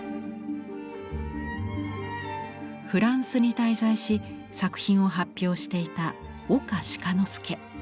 フランスに滞在し作品を発表していた岡鹿之助。